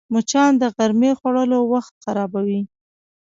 مچان د غرمې خوړلو وخت خرابوي